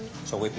そう。